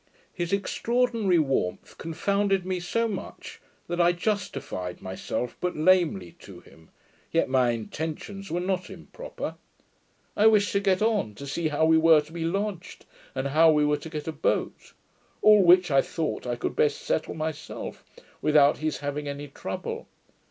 His extraordinary warmth confounded me so much, that I justified myself but lamely to him; yet my intentions were not improper. I wished to get on, to see how we were to be lodged, and how we were to get a boat; all which I thought I could best settle myself, without his having any trouble.